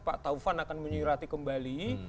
pak taufan akan menyuruh hati kembali